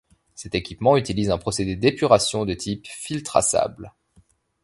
Cet équipement utilise un procédé d'épuration de type filtre à sable.